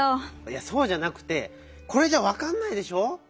いやそうじゃなくてこれじゃわかんないでしょ？